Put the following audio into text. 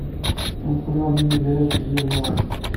Aneqluɛ n unagraw seg yiẓuran.